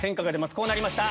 こうなりました。